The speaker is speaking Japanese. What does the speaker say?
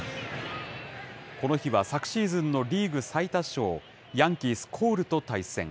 この日は昨シーズンのリーグ最多勝、ヤンキース、コールと対戦。